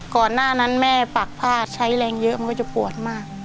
ก่อนหน้านั้นแม่ปากผ้าใช้แรงเยอะมันก็จะปวดมาก